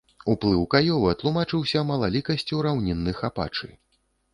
Уплыў каёва тлумачыўся малалікасцю раўнінных апачы.